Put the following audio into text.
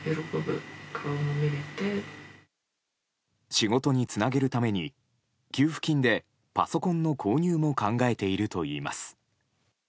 仕事につなげるために給付金でパソコンの購入も考えているといいます。